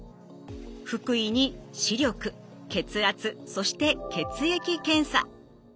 腹囲に視力血圧そして血液検査。